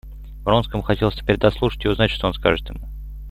Вронскому хотелось теперь дослушать и узнать, что он скажет ему.